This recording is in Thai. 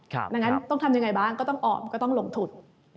ดังนั้นต้องทำยังไงบ้างก็ต้องออมก็ต้องลงทุน